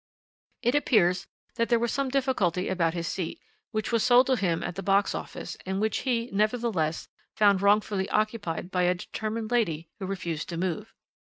"It appears that there was some difficulty about his seat, which was sold to him at the box office, and which he, nevertheless, found wrongfully occupied by a determined lady, who refused to move.